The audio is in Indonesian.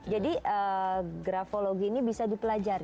jadi grafologi ini bisa dipelajari